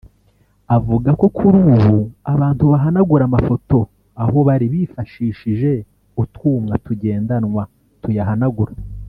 Avuga ko kuri ubu abantu bahanagurira amafoto aho bari bifashije utwuma tugendanwa tuyahanagura